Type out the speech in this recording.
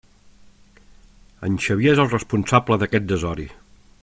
En Xavier és el responsable d'aquest desori!